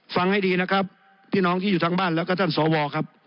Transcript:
ฟังให้ดีนะครับพี่น้องที่อยู่ทางบ้านแล้วก็ท่านสวครับ